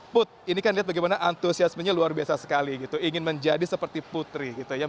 put ini kan lihat bagaimana antusiasmenya luar biasa sekali gitu ingin menjadi seperti putri gitu ya